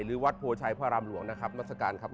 หรือวัดโพชัยพระรำหลวงนะครับนัตสการครับ